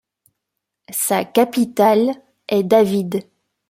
Sa capitale est David.